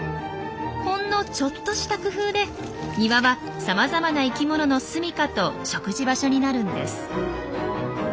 ほんのちょっとした工夫で庭はさまざまな生きもののすみかと食事場所になるんです。